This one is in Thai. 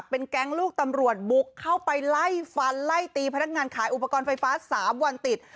เป็นแก๊งลูกตำรวจบุกเข้าไปไล่ฟันไล่ตีพนักงานขายอุปกรณ์ไฟฟ้า๓วันติด